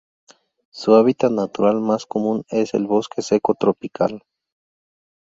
Su hábitat natural más común es el bosque seco tropical.